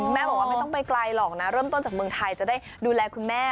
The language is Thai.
แม่บอกว่าไม่ต้องไปไกลหรอกนะเริ่มต้นจากเมืองไทยจะได้ดูแลคุณแม่